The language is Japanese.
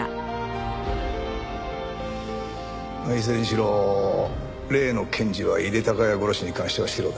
いずれにしろ例の検事は井手孝也殺しに関してはシロだ。